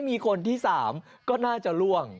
มีคนที่๓ก็น่าจะล่วง